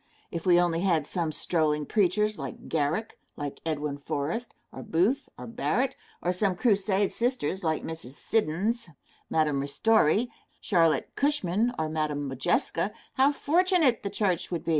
If we only had some strolling preachers like Garrick, like Edwin Forrest, or Booth or Barrett, or some crusade sisters like Mrs. Siddons, Madam Ristori, Charlotte Cushman, or Madam Modjeska, how fortunate the church would be!